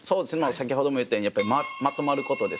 先ほども言ったようにやっぱりまとまることですね。